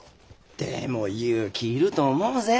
でも勇気いると思うぜ。